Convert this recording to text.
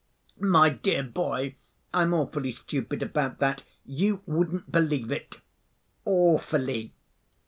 My dear boy, I'm awfully stupid about that. You wouldn't believe it. Awfully.